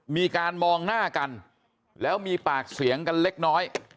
มีการมองหน้ากันแล้วมีปากเสียงกันเล็กน้อย